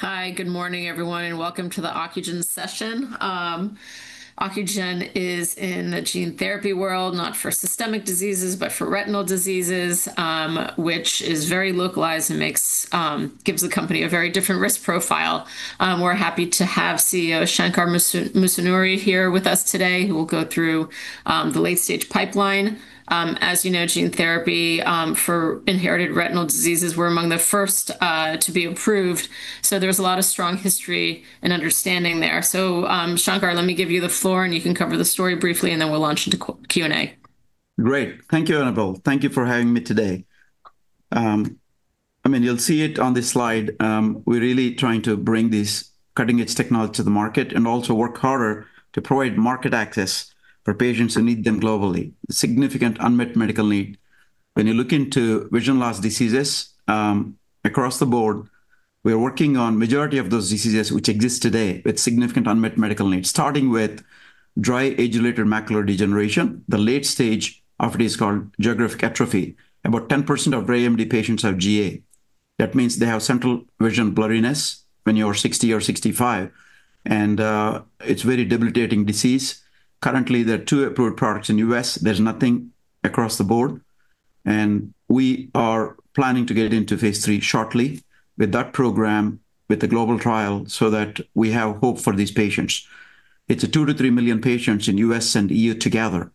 Hi. Good morning, everyone, and welcome to the Ocugen session. Ocugen is in the gene therapy world, not for systemic diseases, but for retinal diseases, which is very localized and gives the company a very different risk profile. We're happy to have CEO Shankar Musunuri here with us today, who will go through the late-stage pipeline. As you know, gene therapy for inherited retinal diseases were among the first to be approved, so there's a lot of strong history and understanding there. Shankar, let me give you the floor, and you can cover the story briefly, and then we'll launch into Q&A. Great. Thank you, Annabelle. Thank you for having me today. You'll see it on this slide, we're really trying to bring this cutting-edge technology to the market and also work harder to provide market access for patients who need them globally. Significant unmet medical need. When you look into vision loss diseases, across the board, we are working on majority of those diseases which exist today with significant unmet medical needs, starting with dry age-related macular degeneration. The late stage of it is called geographic atrophy. About 10% of AMD patients have GA. That means they have central vision blurriness when you are 60 or 65, and it's a very debilitating disease. Currently, there are two approved products in the U.S. There's nothing across the board. We are planning to get into phase III shortly with that program with a global trial so that we have hope for these patients. It's 2 million to 3 million patients in U.S. and EU together.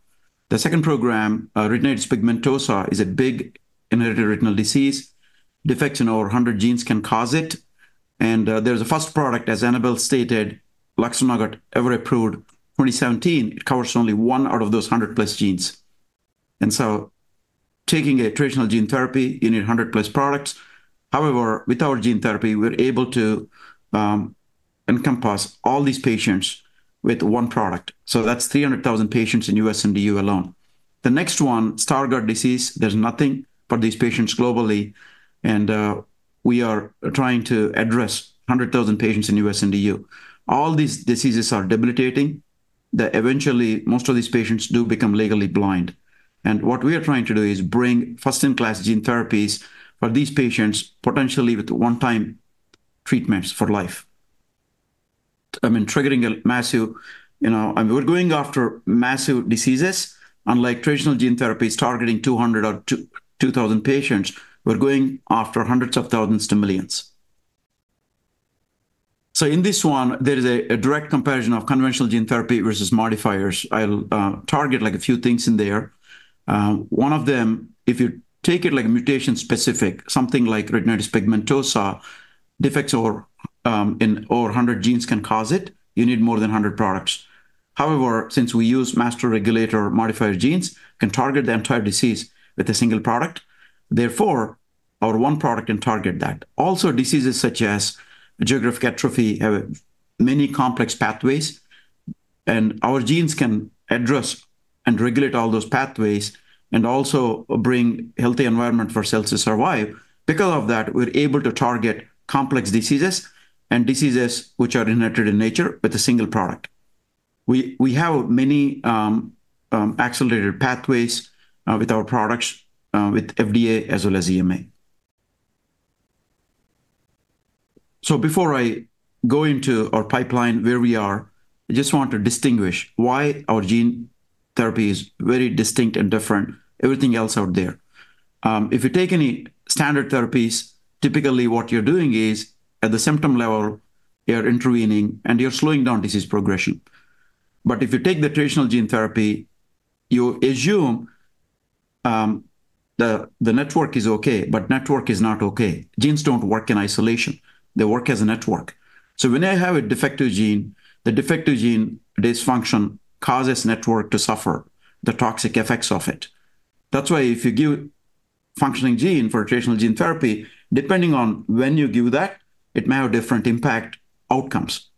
The second program, retinitis pigmentosa, is a big inherited retinal disease. Defects in over 100 genes can cause it, and there's a first product, as Annabelle stated, Luxturna, got approved 2017. It covers only one out of those 100-plus genes. Taking a traditional gene therapy, you need 100-plus products. However, with our gene therapy, we're able to encompass all these patients with one product. That's 300,000 patients in U.S. and EU alone. The next one, Stargardt disease, there's nothing for these patients globally, and we are trying to address 100,000 patients in U.S. and EU. All these diseases are debilitating, that eventually, most of these patients do become legally blind. What we are trying to do is bring first-in-class gene therapies for these patients, potentially with one-time treatments for life. We're going after massive diseases. Unlike traditional gene therapy starting 200 or 2,000 patients, we're going after hundreds of thousands to millions. In this one, there's a direct comparison of conventional gene therapy versus modifiers. I'll target a few things in there. One of them, if you take it like mutation-specific, something like retinitis pigmentosa, defects in over 100 genes can cause it. You need more than 100 products. However, since we use master regulator modified genes, can target the entire disease with a single product, therefore, our one product can target that. Diseases such as geographic atrophy have many complex pathways, and our genes can address and regulate all those pathways and also bring healthy environment for cells to survive. Because of that, we're able to target complex diseases and diseases which are inherited in nature with a single product. We have many accelerated pathways with our products, with FDA as well as EMA. Before I go into our pipeline where we are, I just want to distinguish why our gene therapy is very distinct and different everything else out there. If you take any standard therapies, typically what you're doing is, at the symptom level, you're intervening and you're slowing down disease progression. If you take the traditional gene therapy, you assume the network is okay, but network is not okay. Genes don't work in isolation. They work as a network. When they have a defective gene, the defective gene dysfunction causes network to suffer the toxic effects of it. That's why if you give functioning gene for traditional gene therapy, depending on when you give that, it may have different impact outcomes.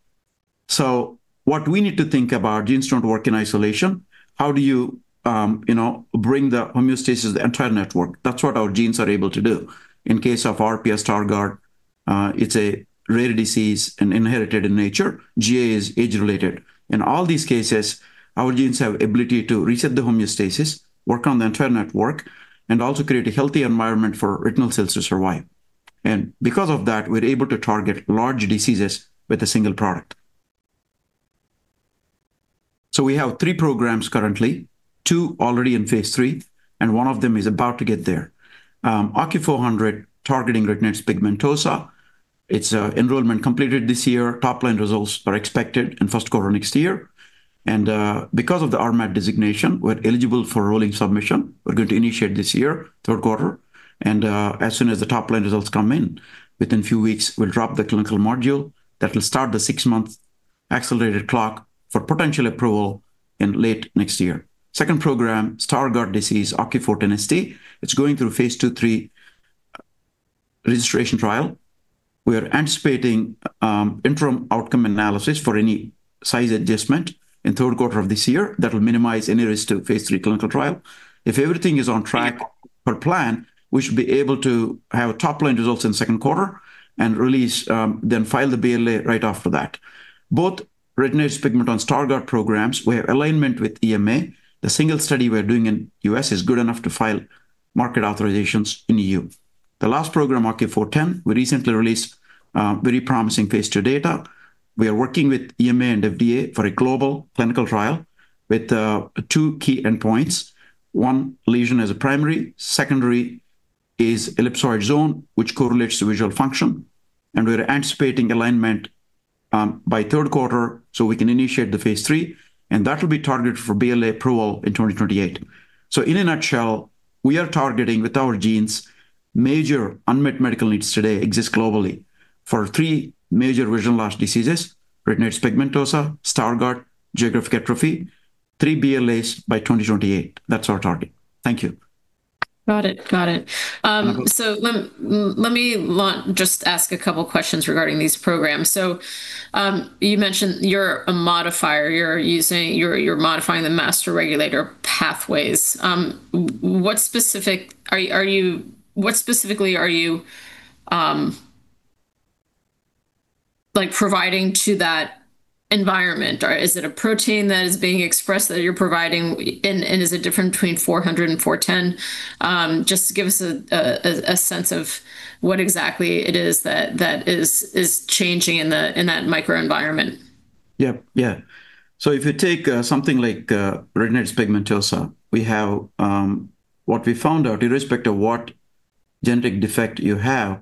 What we need to think about, genes don't work in isolation. How do you bring the homeostasis the entire network? That's what our genes are able to do. In case of RP, Stargardt, it's a rare disease and inherited in nature. GA is age-related. In all these cases, our genes have ability to reset the homeostasis, work on the entire network, and also create a healthy environment for retinal cells to survive. Because of that, we're able to target large diseases with a single product. We have three programs currently, two already in phase III, and one of them is about to get there. OCU400 targeting retinitis pigmentosa. Its enrollment completed this year. Top-line results are expected in first quarter next year. Because of the RMAT designation, we're eligible for rolling submission. We're going to initiate this year, third quarter, and as soon as the top-line results come in, within few weeks, we'll drop the clinical module that will start the six-month accelerated clock for potential approval in late next year. Second program, Stargardt disease, OCU410ST. It's going through phase II/III registration trial. We are anticipating interim outcome analysis for any size adjustment in third quarter of this year that will minimize any risk to phase III clinical trial. If everything is on track per plan, we should be able to have top-line results in second quarter and then file the BLA right after that. Both retinitis pigmentosa Stargardt programs, we have alignment with EMA. The single study we're doing in U.S. is good enough to file market authorizations in E.U. The last program, OCU410, we recently released very promising phase II data. We are working with EMA and FDA for a global clinical trial with two key endpoints. One lesion as a primary. Secondary is ellipsoid zone, which correlates to visual function. We're anticipating alignment by third quarter, so we can initiate the phase III, and that will be targeted for BLA approval in 2028. In a nutshell, we are targeting with our genes, major unmet medical needs today exist globally for three major vision loss diseases, retinitis pigmentosa, Stargardt, geographic atrophy, three BLAs by 2028. That's our target. Thank you. Got it. Let me just ask a couple questions regarding these programs. You mentioned you're a modifier. You're modifying the master regulator pathways. What specifically are you providing to that environment? Or is it a protein that is being expressed that you're providing, and is it different between 400 and 410? Just give us a sense of what exactly it is that is changing in that microenvironment. Yeah. If you take something like retinitis pigmentosa, what we found out, irrespective of what genetic defect you have,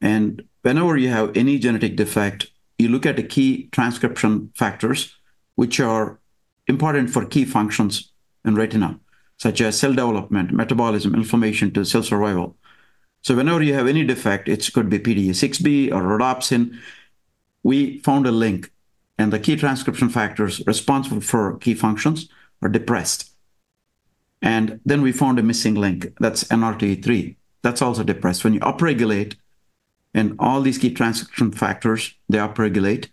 and whenever you have any genetic defect, you look at the key transcription factors which are important for key functions in retina, such as cell development, metabolism, inflammation, to cell survival. Whenever you have any defect, it could be PDE6B or rhodopsin, we found a link, and the key transcription factors responsible for key functions are depressed. We found a missing link. That's NR2E3. That's also depressed. When you upregulate and all these key transcription factors, they upregulate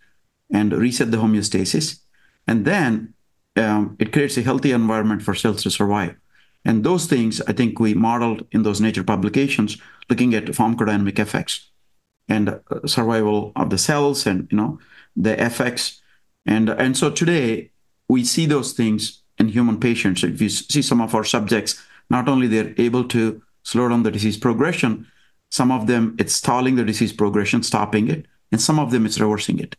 and reset the homeostasis, and then it creates a healthy environment for cells to survive. Those things, I think we modeled in those Nature publications, looking at pharmacodynamic effects and survival of the cells and the effects. Today, we see those things in human patients. If you see some of our subjects, not only they're able to slow down the disease progression, some of them it's stalling the disease progression, stopping it, and some of them it's reversing it.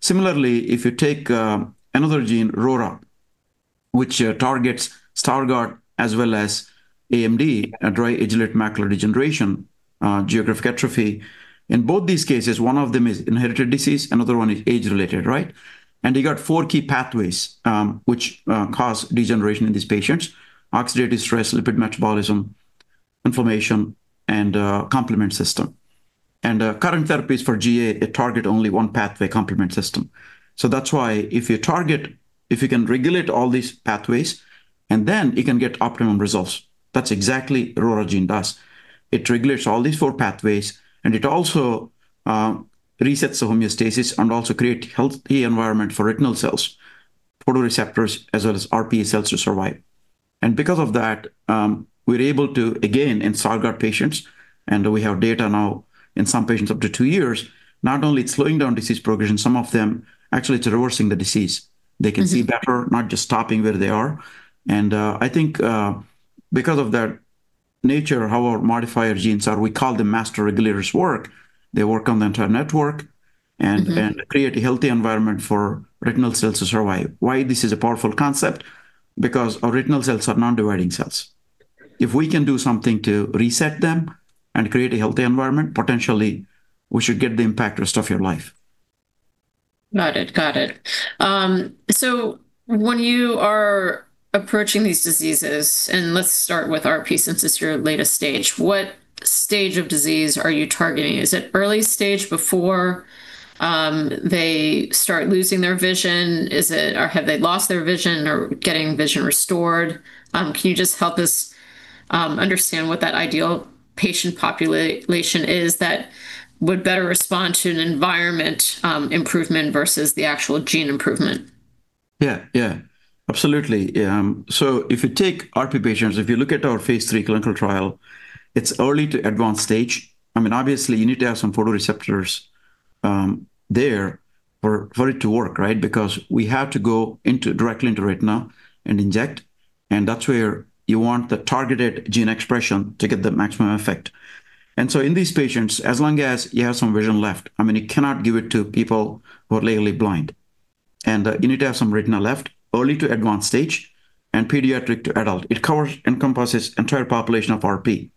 Similarly, if you take another gene, RORA, which targets Stargardt as well as AMD, a dry age-related macular degeneration, geographic atrophy. In both these cases, one of them is inherited disease, another one is age-related. You got four key pathways which cause degeneration in these patients, oxidative stress, lipid metabolism, inflammation, and complement system. Current therapies for GA, it target only one pathway complement system. That's why if you can regulate all these pathways, and then you can get optimum results. That's exactly RORA gene does. It regulates all these four pathways, and it also resets the homeostasis and also create healthy environment for retinal cells, photoreceptors, as well as RPE cells to survive. Because of that, we're able to, again, in Stargardt patients, and we have data now in some patients up to two years, not only it's slowing down disease progression, some of them actually it's reversing the disease. They can see better, not just stopping where they are. I think because of their nature, how our modifier genes are, we call them master regulators work. They work on the entire network and create a healthy environment for retinal cells to survive. Why this is a powerful concept? Our retinal cells are non-dividing cells. If we can do something to reset them and create a healthy environment, potentially we should get the impact rest of your life. Got it. When you are approaching these diseases, and let's start with RP since it's your latest stage, what stage of disease are you targeting? Is it early stage before they start losing their vision, or have they lost their vision or getting vision restored? Can you just help us understand what that ideal patient population is that would better respond to an environment improvement versus the actual gene improvement? Yeah. Absolutely. If you take RP patients, if you look at our phase III clinical trial, it's early to advanced stage. Obviously, you need to have some photoreceptors there for it to work. Because we have to go directly into retina and inject, and that's where you want the targeted gene expression to get the maximum effect. In these patients, as long as you have some vision left, you cannot give it to people who are legally blind. You need to have some retina left, early to advanced stage, and pediatric to adult. It encompasses entire population of RP.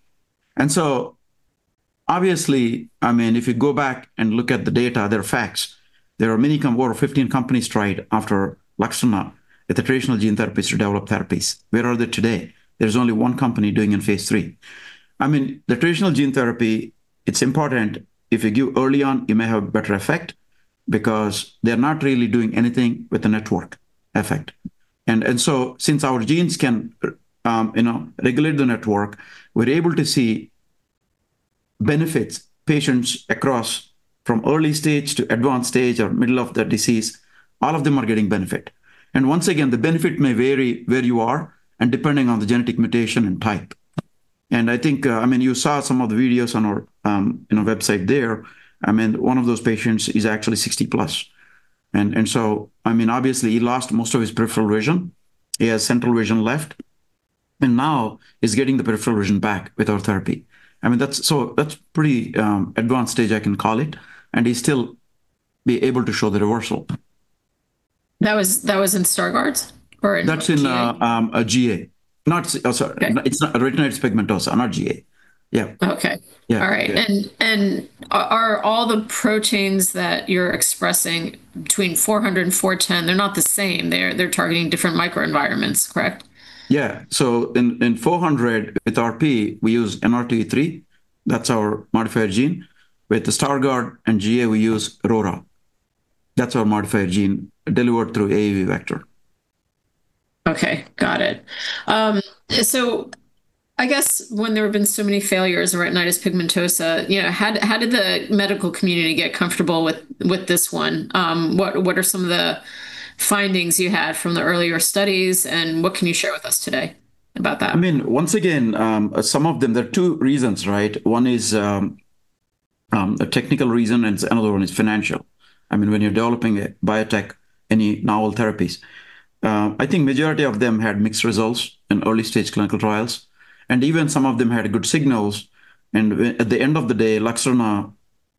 Obviously, if you go back and look at the data, there are facts. There are many, over 15 companies tried after Luxturna with the traditional gene therapies to develop therapies. Where are they today? There's only one company doing in phase III. The traditional gene therapy, it's important. If you give early on, you may have a better effect because they're not really doing anything with the network effect. Since our genes can regulate the network, we're able to see benefits patients across from early stage to advanced stage or middle of the disease. All of them are getting benefit. Once again, the benefit may vary where you are and depending on the genetic mutation and type. I think you saw some of the videos on our website there. One of those patients is actually 60 plus. Obviously he lost most of his peripheral vision. He has central vision left, and now he's getting the peripheral vision back with our therapy. That's pretty advanced stage, I can call it, and he's still be able to show the reversal. That was in Stargardt's or in GA? That's in a GA. Sorry, it's retinitis pigmentosa, not GA. Yeah. Okay. Yeah. All right. Are all the proteins that you're expressing between 400 and 410, they're not the same? They're targeting different microenvironments, correct? Yeah. In 400 with RP, we use NR2E3, that's our modified gene. With the Stargardt and GA, we use RORA. That's our modified gene delivered through AAV vector. Okay, got it. I guess when there have been so many failures in retinitis pigmentosa, how did the medical community get comfortable with this one? What are some of the findings you had from the earlier studies, and what can you share with us today about that? Once again, some of them, there are two reasons, right? One is a technical reason, and the other one is financial. When you're developing a biotech, any novel therapies. I think majority of them had mixed results in early-stage clinical trials, and even some of them had good signals. At the end of the day, Luxturna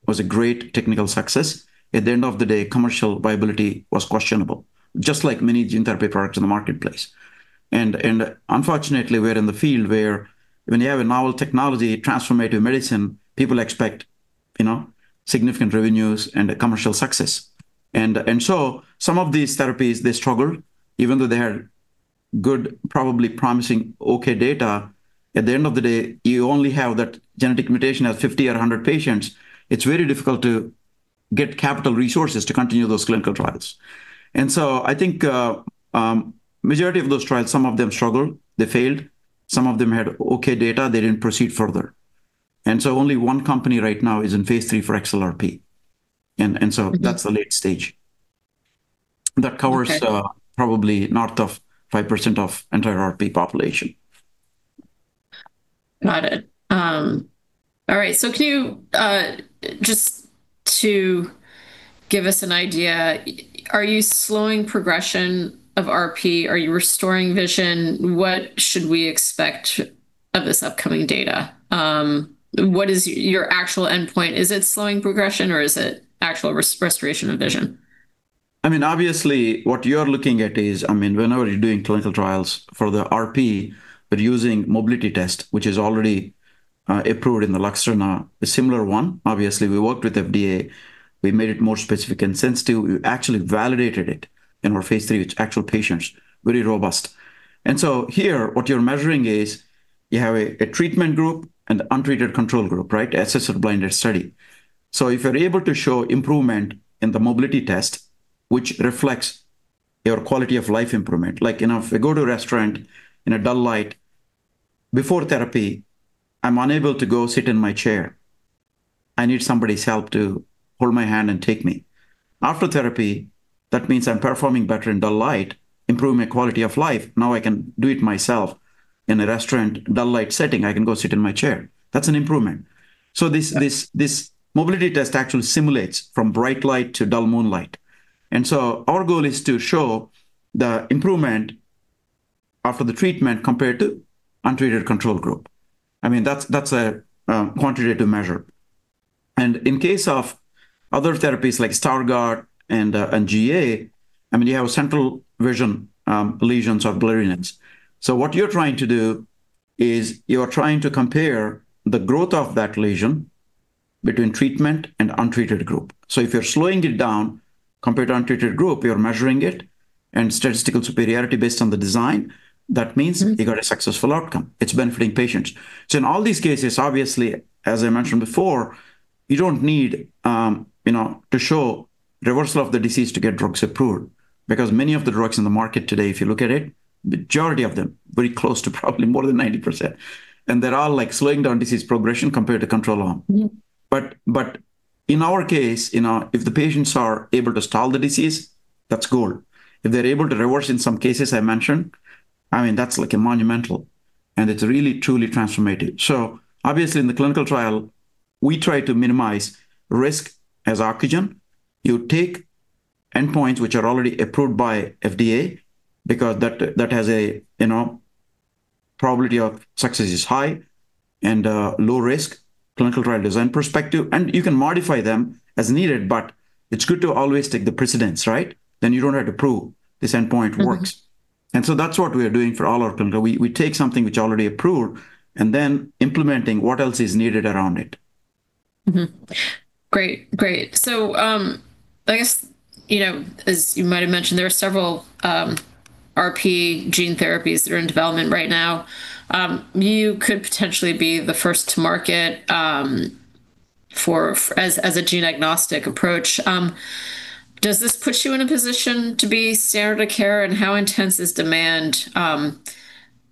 was a great technical success. At the end of the day, commercial viability was questionable, just like many gene therapy products in the marketplace. Unfortunately, we're in the field where when you have a novel technology transformative medicine, people expect significant revenues and commercial success. Some of these therapies, they struggled even though they had good, probably promising, okay data. At the end of the day, you only have that genetic mutation of 50 or 100 patients. It's very difficult to get capital resources to continue those clinical trials. I think majority of those trials, some of them struggled, they failed. Some of them had okay data, they didn't proceed further. Only one company right now is in phase III for XLRP. That's the late stage. Okay. That covers probably north of 5% of entire RP population. Got it. All right. Can you, just to give us an idea, are you slowing progression of RP? Are you restoring vision? What should we expect of this upcoming data? What is your actual endpoint? Is it slowing progression or is it actual restoration of vision? Obviously, what you're looking at is, whenever you're doing clinical trials for the RP, we're using mobility test, which is already approved in the Luxturna, a similar one. Obviously, we worked with FDA. We made it more specific and sensitive. We actually validated it in our phase III with actual patients, very robust. Here what you're measuring is you have a treatment group and untreated control group, right, assessor-blinded study. If you're able to show improvement in the mobility test, which reflects your quality-of-life improvement, like if I go to a restaurant in a dull light before therapy, I'm unable to go sit in my chair. I need somebody's help to hold my hand and take me. After therapy, that means I'm performing better in dull light, improve my quality of life. Now I can do it myself in a restaurant dull-light setting. I can go sit in my chair. That's an improvement. This mobility test actually simulates from bright light to dull moonlight. Our goal is to show the improvement after the treatment compared to untreated control group. That's a quantitative measure. In case of other therapies like Stargardt and GA, you have central vision, lesions or blurriness. What you're trying to do is you're trying to compare the growth of that lesion between treatment and untreated group. If you're slowing it down compared to untreated group, you're measuring it and statistical superiority based on the design, that means you've got a successful outcome. It's benefiting patients. In all these cases, obviously, as I mentioned before, you don't need to show reversal of the disease to get drugs approved because many of the drugs in the market today, if you look at it, majority of them, very close to probably more than 90%, and they're all slowing down disease progression compared to control arm. In our case, if the patients are able to stall the disease, that's good. If they're able to reverse in some cases I mentioned, that's monumental and it's really truly transformative. Obviously, in the clinical trial, we try to minimize risk as Ocugen. You take endpoints which are already approved by FDA because that has a probability of success is high and low risk, clinical trial design perspective. You can modify them as needed, but it's good to always take the precedence, right? You don't have to prove this endpoint works. That's what we are doing for all our clinical. We take something which already approved and then implementing what else is needed around it. Great. I guess, as you might have mentioned, there are several RP gene therapies that are in development right now. You could potentially be the first to market as a gene agnostic approach. Does this put you in a position to be standard of care? How intense is demand? How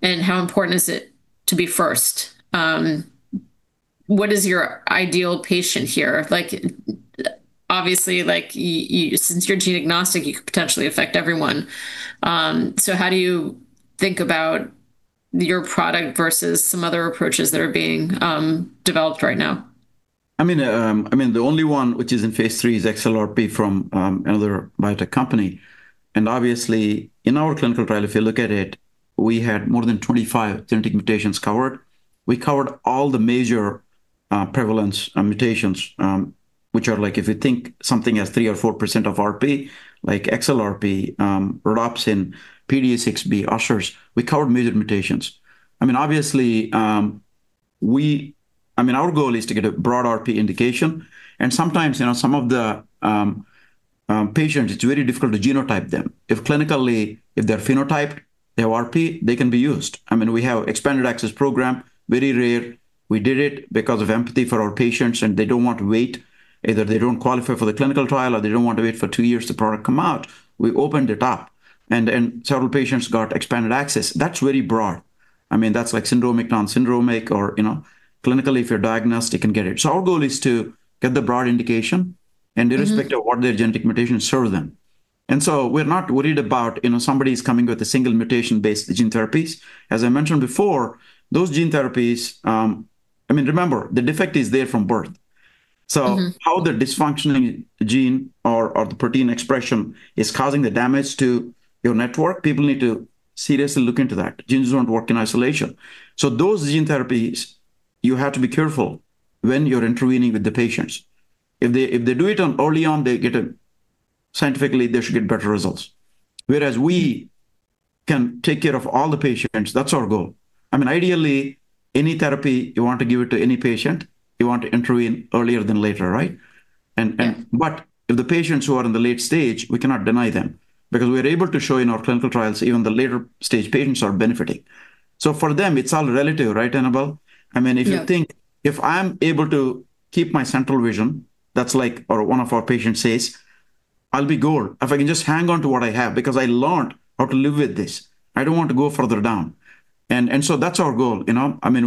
important is it to be first? What is your ideal patient here? Obviously, since you're gene agnostic, you could potentially affect everyone. How do you think about Your product versus some other approaches that are being developed right now. The only one which is in phase III is XLRP from another biotech company. Obviously, in our clinical trial, if you look at it, we had more than 25 genetic mutations covered. We covered all the major prevalence mutations, which are like, if you think something has 3% or 4% of RP, like XLRP, rhodopsin, PDE6B, Ushers, we covered major mutations. Our goal is to get a broad RP indication, and sometimes, some of the patients, it's very difficult to genotype them. If clinically, if they're phenotyped, they have RP, they can be used. We have expanded access program, very rare. We did it because of empathy for our patients, and they don't want to wait. Either they don't qualify for the clinical trial, or they don't want to wait for two years for the product to come out. We opened it up, and then several patients got expanded access. That's very broad. That's like syndromic, non-syndromic or clinically, if you're diagnosed, you can get it. Our goal is to get the broad indication irrespective of what their genetic mutations show then. We're not worried about somebody's coming with a single mutation-based gene therapies. As I mentioned before, those gene therapies, remember, the defect is there from birth. How the dysfunctioning gene or the protein expression is causing the damage to your network, people need to seriously look into that. Genes don't work in isolation. Those gene therapies, you have to be careful when you're intervening with the patients. If they do it early on, scientifically, they should get better results. Whereas we can take care of all the patients. That's our goal. Ideally, any therapy, you want to give it to any patient, you want to intervene earlier than later, right? If the patients who are in the late stage, we cannot deny them, because we're able to show in our clinical trials even the later-stage patients are benefiting. For them, it's all relative, right, Annabelle? Yeah. If you think, if I'm able to keep my central vision, that's like one of our patients says, I'll be good. If I can just hang on to what I have because I learned how to live with this. I don't want to go further down. That's our goal. We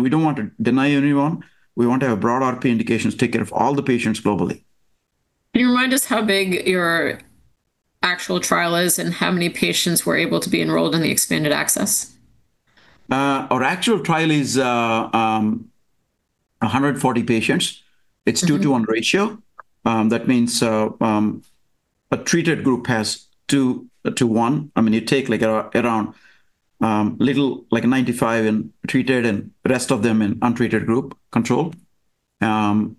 don't want to deny anyone. We want to have broad RP indications, take care of all the patients globally. Can you remind us how big your actual trial is and how many patients were able to be enrolled in the expanded access? Our actual trial is 140 patients. It's 2:1 ratio. That means a treated group has two to one. You take around 95 in treated and rest of them in untreated group, control. That's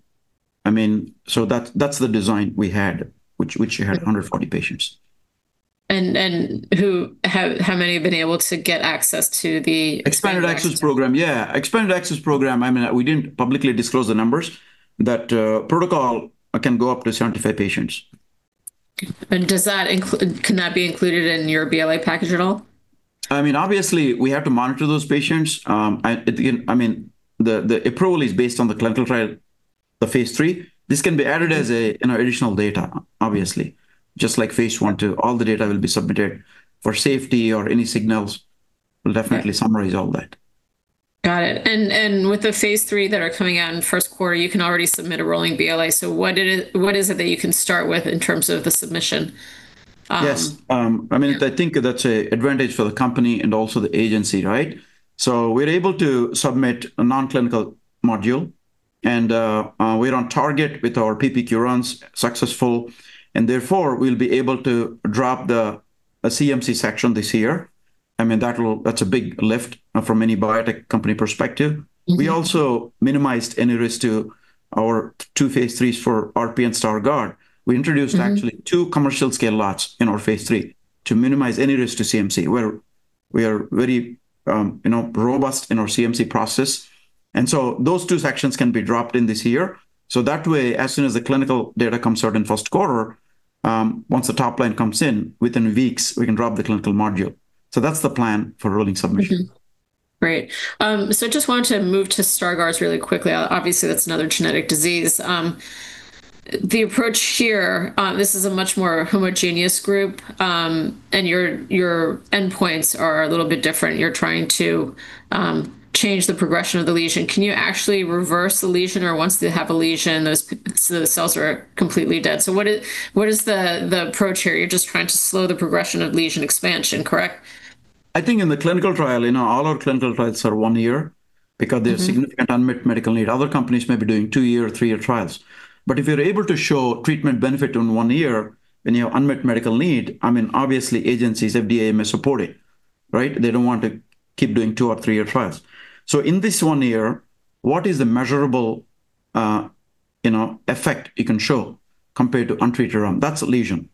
the design we had, which you had 140 patients. How many have been able to get access to the expanded access? Expanded access program, yeah. Expanded access program, we didn't publicly disclose the numbers. That protocol can go up to 75 patients. Can that be included in your BLA package at all? Obviously, we have to monitor those patients. The approval is based on the clinical trial, the phase III. This can be added as additional data, obviously. Just like phase I/II, all the data will be submitted for safety or any signals. We'll definitely summarize all that. Got it. With the phase III that are coming out in first quarter, you can already submit a rolling BLA. What is it that you can start with in terms of the submission? Yes. I think that's an advantage for the company and also the agency, right? We're able to submit a non-clinical module, and we're on target with our PPQ runs successful, and therefore, we'll be able to drop the CMC section this year. That's a big lift from any biotech company perspective. We also minimized any risk to our two phase III for RP and Stargardt. We introduced actually two commercial scale lots in our phase III to minimize any risk to CMC, where we are very robust in our CMC process. Those two sections can be dropped in this year. That way, as soon as the clinical data comes out in first quarter, once the top line comes in, within weeks, we can drop the clinical module. That's the plan for rolling submission. Great. Just wanted to move to Stargardt's really quickly. Obviously, that's another genetic disease. The approach here, this is a much more homogeneous group, and your endpoints are a little bit different. You're trying to change the progression of the lesion. Can you actually reverse the lesion, or once they have a lesion, those cells are completely dead? What is the approach here? You're just trying to slow the progression of lesion expansion, correct? I think in the clinical trial, all our clinical trials are one year because they've seen an unmet medical need. Other companies may be doing two-year, three-year trials. If you're able to show treatment benefit in one year in your unmet medical need, obviously agencies, FDA may support it, right? They don't want to keep doing two or three-year trials. In this one year, what is the measurable effect it can show compared to untreated arm? That's a lesion.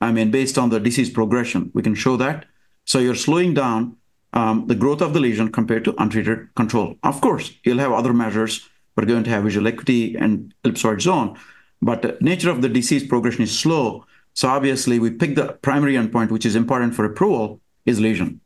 Based on the disease progression, we can show that. You're slowing down the growth of the lesion compared to untreated control. Of course, you'll have other measures, but we don't have visual acuity and ups or down. The nature of the disease progression is slow. Obviously, we pick the primary endpoint, which is important for approval is lesion.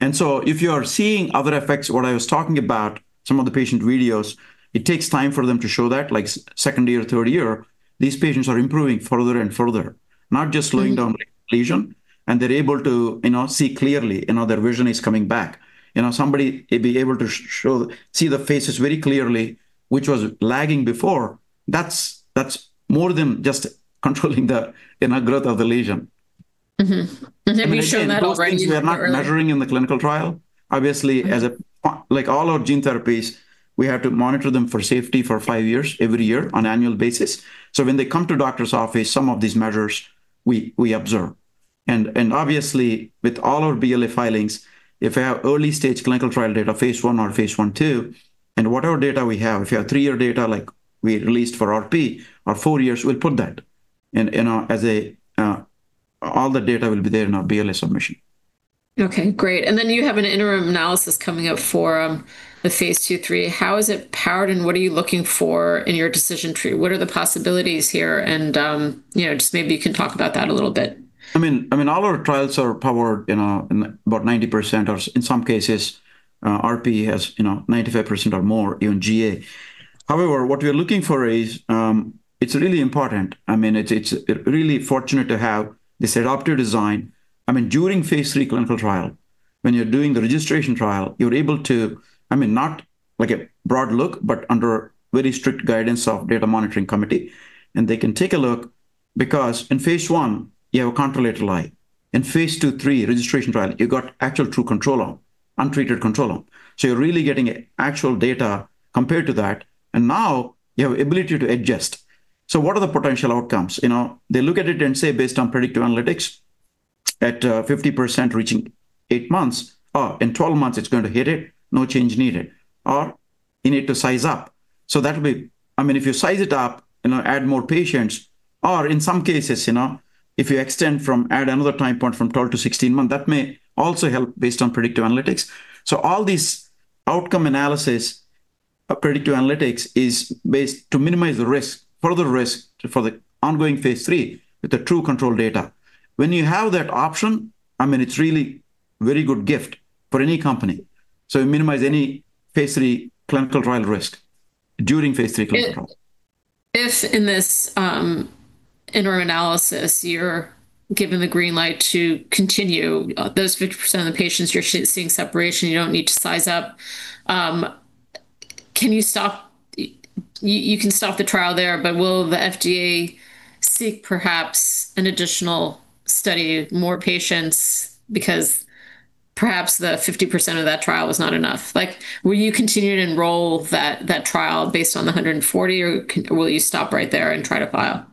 If you are seeing other effects, what I was talking about, some of the patient videos, it takes time for them to show that like second year, third year, these patients are improving further and further, not just slowing down lesion. They're able to see clearly, their vision is coming back. Somebody may be able to see the faces very clearly, which was lagging before. That's more than just controlling the growth of the lesion. As I mentioned, those things we are not measuring in the clinical trial. Obviously, like all our gene therapies, we have to monitor them for safety for five years, every year on annual basis. When they come to doctor's office, some of these measures we observe. Obviously, with all our BLA filings, if we have early-stage clinical trial data, phase I or phase I/II, and what other data we have, if we have three-year data like we released for RP, or four years, we'll put that. All the data will be there in our BLA submission. Okay, great. You have an interim analysis coming up for the phase II/III. How is it powered, and what are you looking for in your decision tree? What are the possibilities here? Just maybe you can talk about that a little bit. Our trials are powered in about 90%, or in some cases, RP has 95% or more in GA. However, what we're looking for is, it's really important. I mean, it's really fortunate to have this adaptive design. During phase III clinical trial, when you're doing the registration trial, you're able to, not like a broad look, but under very strict guidance of data monitoring committee. They can take a look because in phase I you have a control line. In phase II/III, registration trial, you've got actual true control, untreated control. You're really getting actual data compared to that, and now you have ability to adjust. What are the potential outcomes? They look at it and say, based on predictive analytics, at 50% reaching eight months, or in 12 months it's going to hit it, no change needed. You need to size up. That way, if you size it up, add more patients, or in some cases, if you add another time point from 12-16 months, that may also help based on predictive analytics. All these outcome analysis or predictive analytics is based to minimize the risk, further risk for the ongoing phase III with the true control data. When you have that option, it's really very good gift for any company to minimize any phase III clinical trial risk during phase III clinical trial. If in this interim analysis you're given the green light to continue, those 50% of the patients you're seeing separation, you don't need to size up. Will the FDA seek perhaps an additional study of more patients because perhaps the 50% of that trial was not enough? Will you continue to enroll that trial based on 140, or will you stop right there and try to file?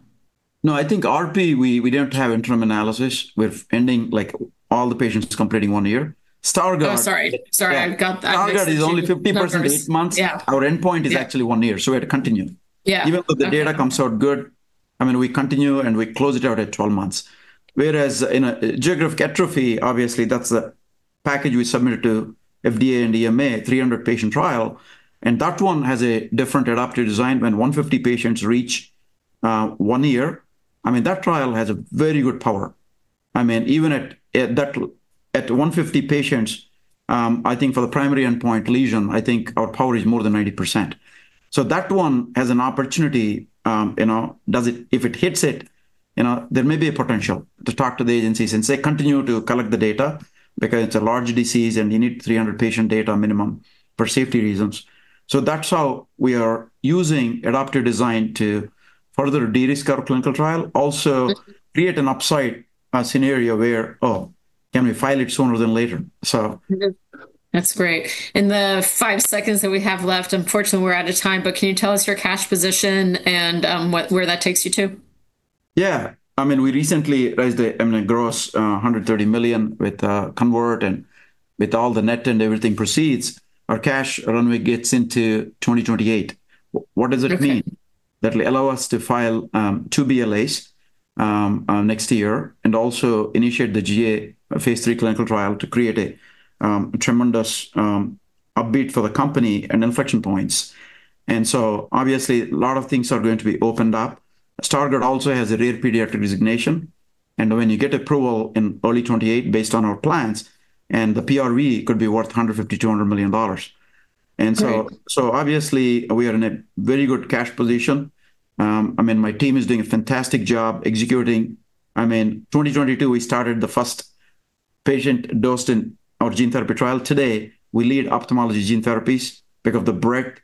No, I think RP, we don't have interim analysis with ending, like all the patients completing one year. Stargardt. Oh, sorry. Stargardt is only 50% to eight months. Yeah. Our endpoint is actually one year. We continue. Yeah. Even though the data comes out good, we continue, and we close it out at 12 months. In geographic atrophy, obviously, that's a package we submitted to FDA and EMA, 300-patient trial, and that one has a different adaptive design. When 150 patients reach one year, that trial has a very good power. Even at 150 patients, I think for the primary endpoint lesion, I think our power is more than 90%. That one has an opportunity. If it hits it, there may be a potential to talk to the agencies and say, continue to collect the data, because it's a large disease and you need 300 patient data minimum for safety reasons. That's how we are using adaptive design to further de-risk our clinical trial. Also, create an upside scenario where, oh, can we file it sooner than later? That's great. In the five seconds that we have left, unfortunately, we're out of time, but can you tell us your cash position and where that takes you to? Yeah. We recently raised a gross $130 million with convert and with all the net and everything proceeds. Our cash runway gets into 2028. What does it mean? That will allow us to file two BLAs next year and also initiate the GA phase III clinical trial to create a tremendous upbeat for the company and inflection points. Obviously, a lot of things are going to be opened up. Stargardt also has a rare pediatric designation, and when you get approval in early 2028 based on our plans and the PRV, it could be worth $150 million-$200 million. Great. Obviously, we are in a very good cash position. My team is doing a fantastic job executing. In 2022, we started the first patient dosed in our gene therapy trial. Today, we lead ophthalmology gene therapies because of the breadth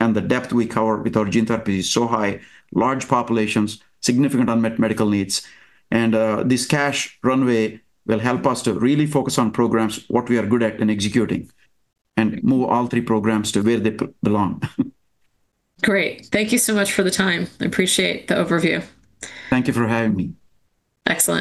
and the depth we cover with our gene therapy is so high. Large populations, significant unmet medical needs, this cash runway will help us to really focus on programs, what we are good at, and executing, and move all three programs to where they belong. Great. Thank you so much for the time. I appreciate the overview. Thank you for having me. Excellent